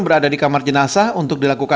ternyata malah nabrak